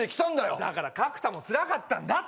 だから角田もつらかったんだって。